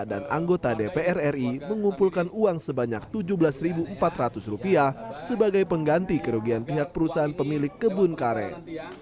dan anggota dpr ri mengumpulkan uang sebanyak rp tujuh belas empat ratus sebagai pengganti kerugian pihak perusahaan pemilik kebun karet